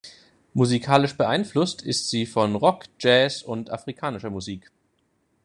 Musikalisch beeinflusst ist sie von Rock, Jazz und afrikanischer Musik.